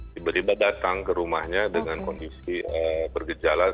tiba tiba datang ke rumahnya dengan kondisi bergejala